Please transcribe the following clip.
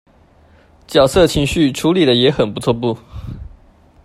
角色情緒處理的也很不錯不